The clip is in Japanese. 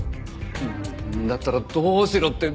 だったらどうしろって？